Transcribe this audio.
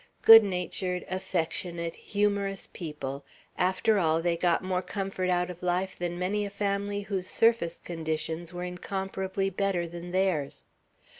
Good natured, affectionate, humorous people; after all, they got more comfort out of life than many a family whose surface conditions were incomparably better than theirs.